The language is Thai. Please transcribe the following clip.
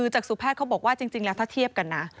จากสู่แพทย์เขาบอกว่าจริงแล้วถ้าเทียบกันนะ